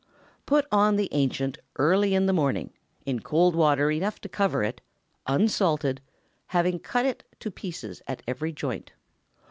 Put on the ancient early in the morning, in cold water enough to cover it, unsalted, having cut it to pieces at every joint.